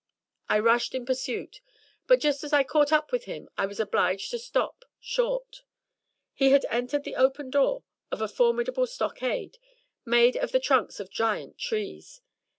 I rushed in pursuit, but just as I caught up with him I was obliged to stop short. He had entered the open door of a formidable stockade, made of the trunks of giant trees.